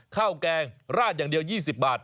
แกงราดอย่างเดียว๒๐บาท